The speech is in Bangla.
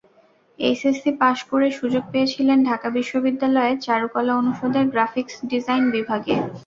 এইচএসসি পাস করে সুযোগ পেয়েছিলেন ঢাকা বিশ্ববিদ্যালয়ের চারুকলা অনুষদের গ্রাফিকস ডিজাইন বিভাগে।